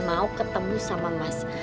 mau ketemu sama mas